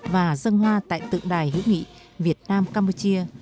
và dân hoa tại tượng đài hữu nghị việt nam campuchia